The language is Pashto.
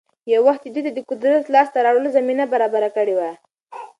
يـو وخـت يـې دوي تـه د قـدرت لاس تـه راوړلـو زمـينـه بـرابـره کـړي وي.